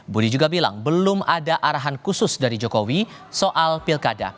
budi juga bilang belum ada arahan khusus dari jokowi soal pilkada